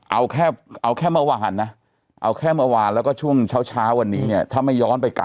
เอาแค่เอาแค่เมื่อวานนะเอาแค่เมื่อวานแล้วก็ช่วงเช้าวันนี้เนี่ยถ้าไม่ย้อนไป